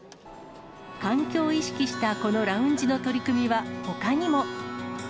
環境を意識したこのラウンジの取り組みはほかにも。